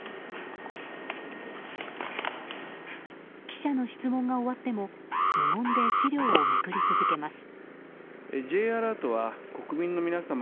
記者の質問が終わっても無言で資料をめくり続けます。